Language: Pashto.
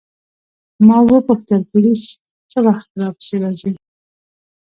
ما وپوښتل پولیس څه وخت راپسې راځي.